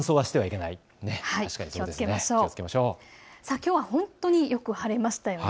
きょうは、ほんとによく晴れましたよね。